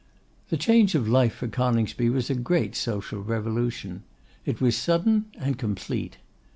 This change of life for Coningsby was a great social revolution. It was sudden and complete.